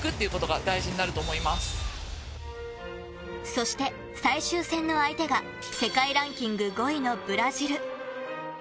そして最終戦の相手が世界ランキング５位のブラジル。